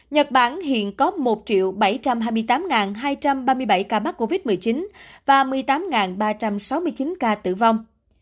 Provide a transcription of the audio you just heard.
nhật bản hiện có một bảy trăm hai mươi tám hai trăm ba mươi bảy ca bắc covid một mươi chín và một mươi tám ba trăm sáu mươi chín ca bắc covid một mươi chín